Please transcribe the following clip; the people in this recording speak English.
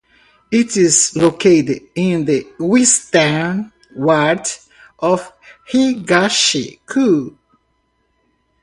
It is located in the eastern ward of Higashi-ku.